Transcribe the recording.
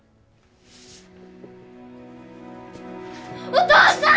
お父さん！